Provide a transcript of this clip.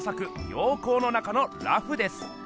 「陽光の中の裸婦」です。